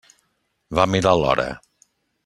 Va mirar l'hora.